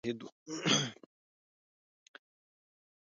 د سترو جګړو د ګټلو شاهده وه.